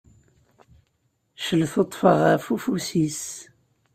Celtuṭṭfeɣ ɣer ufus-is.